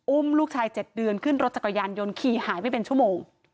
ลูกชาย๗เดือนขึ้นรถจักรยานยนต์ขี่หายไปเป็นชั่วโมง